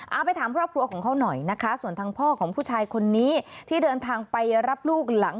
เอาไปถามครอบครัวของเขาหน่อยนะคะส่วนทางพ่อของผู้ชายคนนี้ที่เดินทางไปรับลูกหลัง